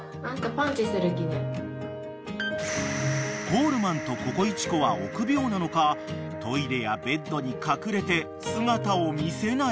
［コールマンとココイチ子は臆病なのかトイレやベッドに隠れて姿を見せない］